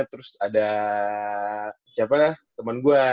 terus ada temen gue